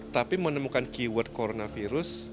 tapi menemukan keyword coronavirus